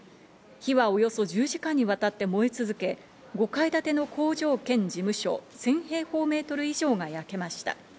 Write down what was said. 火はおよそ１０時間にわたって燃え続け、５階建ての工場兼事務所１０００平方メートル以上が焼けました。